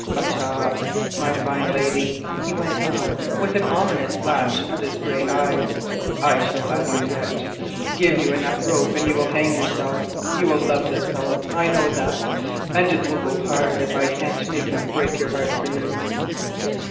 Well! my fine lady," he went on with an ominous flash of his grey eyes, "I shall be even with you yet. Give you enough rope and you will hang yourself. You love this fellow, I know that, and it will go hard if I can't make him break your heart for you.